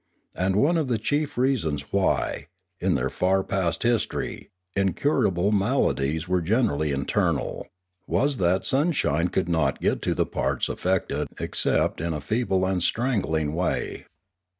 And one of the chief reasons why, in their far past history, in curable maladies were generally internal, was that sunshine could not get to the parts affected except in a feeble and straggling way.